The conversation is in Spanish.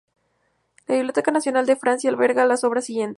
La Biblioteca Nacional de Francia alberga las obras siguientes.